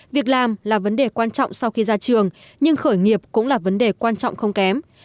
việc làm là vấn đề quan trọng sau khi ra trường nhưng khởi nghiệp cũng là vấn đề quan trọng không kém